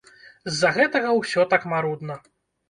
З-за гэтага ўсё так марудна.